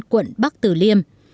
quận bắc tử liêm